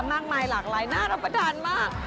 มากมายหลากหลายน่ารับประทานมาก